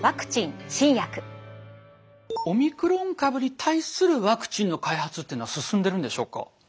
オミクロン株に対するワクチンの開発っていうのは進んでるんでしょうか？